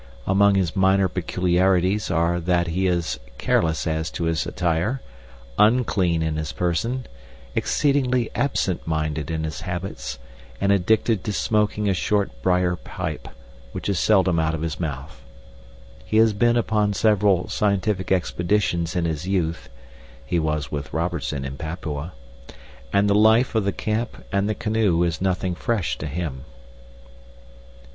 Among his minor peculiarities are that he is careless as to his attire, unclean in his person, exceedingly absent minded in his habits, and addicted to smoking a short briar pipe, which is seldom out of his mouth. He has been upon several scientific expeditions in his youth (he was with Robertson in Papua), and the life of the camp and the canoe is nothing fresh to him.